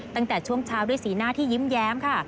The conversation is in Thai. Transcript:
ตั้งแต่ช่วงเช้าด้วยสีหน้าที่ยิ้มแย้มค่ะ